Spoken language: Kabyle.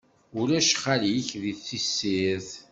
Ulac xali-k, di tessirt.